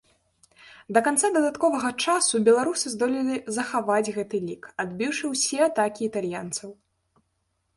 Да канца дадатковага часу беларусы здолелі захаваць гэты лік, адбіўшы ўсе атакі італьянцаў.